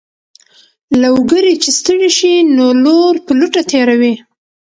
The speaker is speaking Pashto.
لوګری چې ستړی شي نو لور په لوټه تېروي.